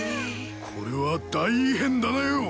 これは大異変だなよ！